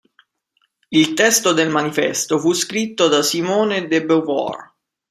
Il testo del manifesto fu scritto da Simone de Beauvoir.